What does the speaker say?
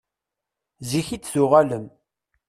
Zik i d-tuɣalem.